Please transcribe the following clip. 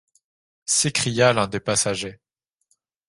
s’écria l’un des passagers.